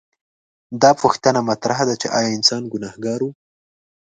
دا پوښتنه مطرح ده چې ایا انسان ګنهګار و؟